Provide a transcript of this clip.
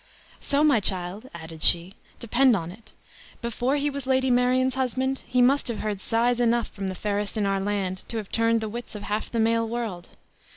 "So, my child," added she, "depend on it; before he was Lady Marion's husband he must have heard sighs enough from the fairest in our land to have turned the wits of half the male world.